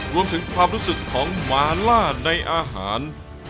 รวมถึงความรู้สึกของหมาล่าในอาหาร